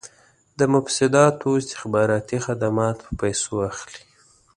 د مفسدانو استخباراتي خدمات په پیسو اخلي.